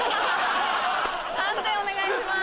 判定お願いします。